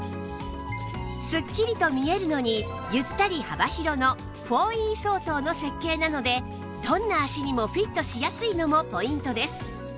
スッキリと見えるのにゆったり幅広の ４Ｅ 相当の設計なのでどんな足にもフィットしやすいのもポイントです